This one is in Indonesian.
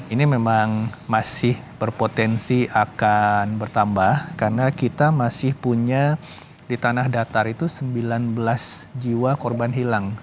ini memang masih berpotensi akan bertambah karena kita masih punya di tanah datar itu sembilan belas jiwa korban hilang